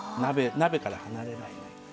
鍋から離れないで。